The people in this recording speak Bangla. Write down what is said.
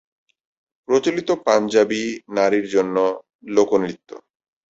প্রচলিত পাঞ্জাবি 'নারীর' জন্য লোকনৃত্য